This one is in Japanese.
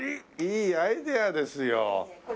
いいアイデアですよ。